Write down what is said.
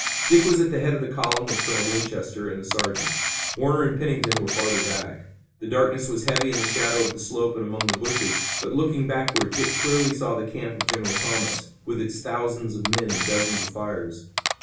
Dick was at the head of the column with Colonel Winchester and the sergeant. Warner and Pennington were further back. The darkness was heavy in the shadow of the slope and among the bushes, but, looking backward, Dick clearly saw the camp of General Thomas with its thousands of men and dozens of fires.